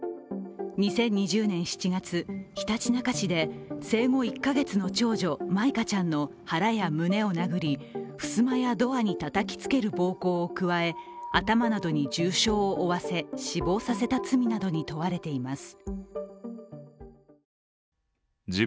２０２０年７月、ひたちなか市で生後１カ月の長女、舞香ちゃんの腹や胸を殴り、ふすまやドアにたたきつける暴行を加え頭などに重傷を負わせ死亡させた罪などに問われています。